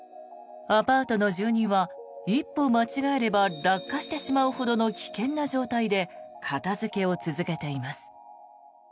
アパートの住人は一歩間違えれば落下してしまうほどの危険な状態で片付けを続けています。